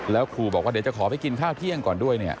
แล้วครูบอกว่าเดี๋ยวจะขอไปกินข้าวเที่ยงก่อนด้วยเนี่ย